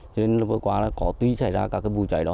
vừa qua có tuy xảy ra các vụ cháy đó